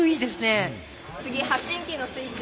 次発信機のスイッチ